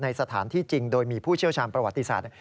สถานที่จริงโดยมีผู้เชี่ยวชาญประวัติศาสตร์